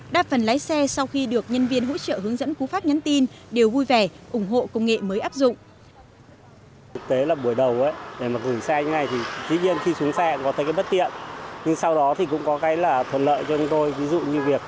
đa phần lái xe sau khi được nhân viên hỗ trợ hướng dẫn của pháp nhắn tin đều vui vẻ ủng hộ công nghệ mới áp dụng